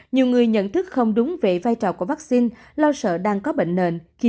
nhiều người nhận thức không đúng về vai trò của vaccine lo sợ đang có bệnh nền